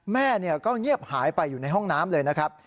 แม่ก็เงียบหายไปอยู่ในห้องน้ำเลยนะครับ